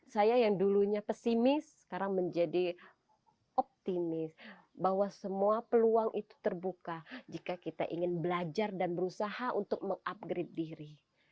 saya yang dulunya pesimis sekarang menjadi optimis bahwa semua peluang itu terbuka jika kita ingin belajar dan berusaha untuk mengupgrade diri